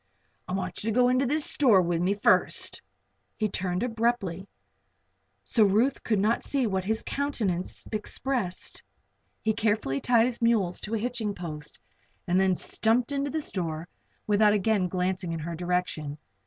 I want you to go into this store with me first." He turned away abruptly, so that Ruth could not see what his countenance expressed. He carefully tied his mules to a hitching post and then stumped into the store without again glancing in her direction.